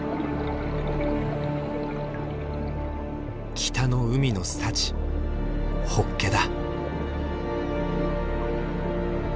北の海の幸ホッケだ。